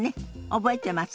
覚えてます？